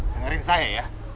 dengarin saya ya